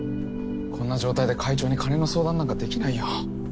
こんな状態で会長に金の相談なんかできないよ。